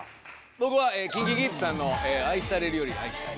僕はＫｉｎＫｉＫｉｄｓさんの「愛されるより愛したい」